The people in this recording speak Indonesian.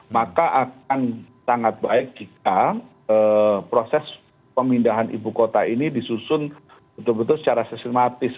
maka akan sangat baik jika proses pemindahan ibu kota ini disusun betul betul secara sistematis